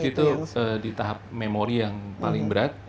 itu di tahap memori yang paling berat